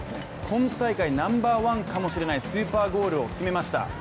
今大会ナンバーワンかもしれないスーパーゴールを決めました。